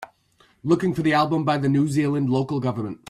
Looking for the album by the New Zealand Local Government